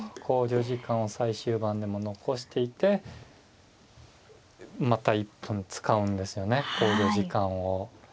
考慮時間を最終盤でも残していてまた１分使うんですよね考慮時間を。